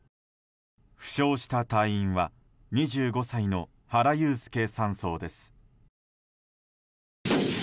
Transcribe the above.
負傷した隊員は２５歳の原悠介３曹です。